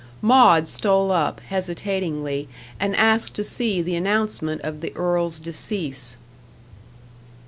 Maud stole up hesitatingly, and asked to see the announcement of the earl's decease.